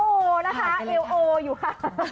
โอนะคะเอวโออยู่ค่ะ